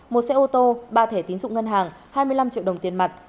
một xe ô tô ba thẻ tín dụng ngân hàng hai mươi năm triệu đồng tiền mặt